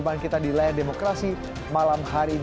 pertanyaannya adalah apa